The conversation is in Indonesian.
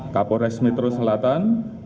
kapolres metro selatan